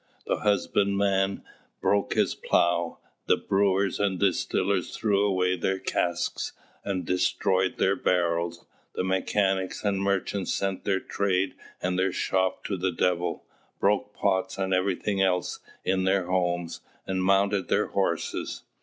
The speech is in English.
The husbandman broke his plough; the brewers and distillers threw away their casks and destroyed their barrels; the mechanics and merchants sent their trade and their shop to the devil, broke pots and everything else in their homes, and mounted their horses.